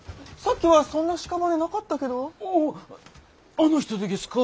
あの人でげすか？